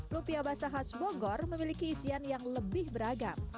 lumpia basah khas bogor memiliki isian yang lebih beragam